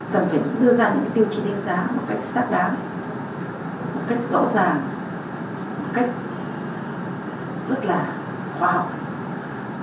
cần phải đưa ra những tiêu chí đánh giá một cách xác đáng một cách rõ ràng một cách rất là khoa học